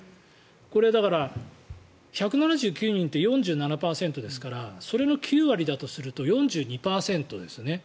これ、だから１７９人って４７％ですからそれの９割だとすると４２％ですよね。